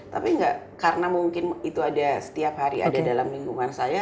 tapi nggak karena mungkin itu ada setiap hari ada dalam lingkungan saya